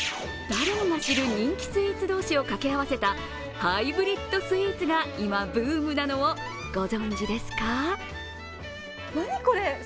誰もが知る人気スイーツ同士を掛け合わせたハイブリッドスイーツが今ブームなのをご存じですか？